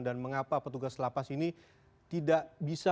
dan mengapa petugas lapas ini tidak bisa